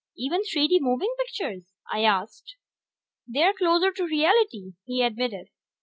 "Even 3 D moving pictures?" I asked. "They're closer to reality," he admitted.